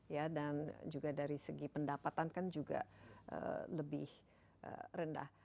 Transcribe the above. ya dan juga dari segi pendapatan kan juga lebih rendah